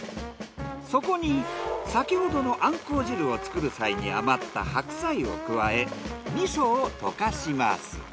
そこに先ほどのアンコウ汁を作る際に余った白菜を加え味噌を溶かします。